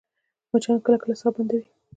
مچان کله کله ساه بندوي